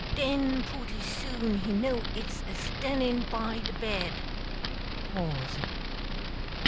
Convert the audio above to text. Den pooty soon he know it's a stannin' by de bed!